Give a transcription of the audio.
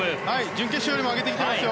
準決勝よりも上げてきています。